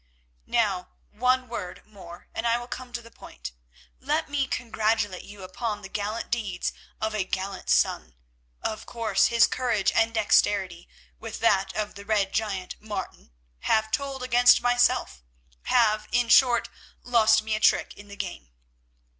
"Now, one word more, and I will come to the point. Let me congratulate you upon the gallant deeds of a gallant son. Of course his courage and dexterity, with that of the red giant, Martin, have told against myself, have, in short, lost me a trick in the game.